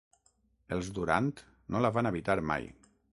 Els Durant no la van habitar mai.